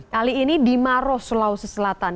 kali ini di maros sulawesi selatan